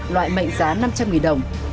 loại mệnh giá năm trăm linh nghìn đồng